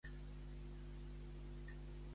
Ai, que arrenquem abans d'hora!